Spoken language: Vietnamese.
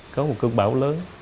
có một cơn bão lớn